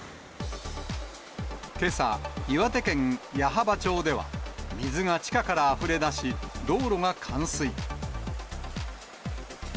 けさ、岩手県矢巾町では、水が地下からあふれ出し、道路が冠水。